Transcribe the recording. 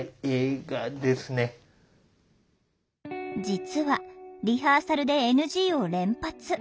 実はリハーサルでＮＧを連発。